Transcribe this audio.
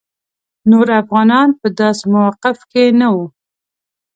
نور افغانان په داسې موقف کې نه وو.